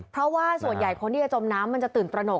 เพราะว่าส่วนใหญ่คนที่จะจมน้ำมันจะตื่นตระหนก